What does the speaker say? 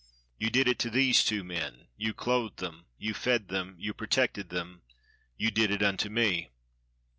You did it to these two men, you clothed them, you fed them, you pro tected them — you did it unto me."